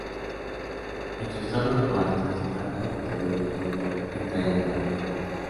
En su estado actual, transitar por el interior del túnel entraña gran peligro.